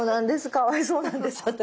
かわいそうなんです私。